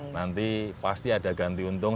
nanti pasti ada ganti untung